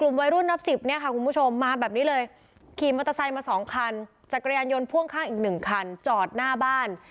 มันจะใส่มาสองคันจักรยานยนต์พ่วงข้างอีกหนึ่งคันจอดหน้าบ้าน